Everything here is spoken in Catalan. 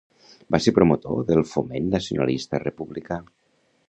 Va ser promotor del Foment Nacionalista Republicà.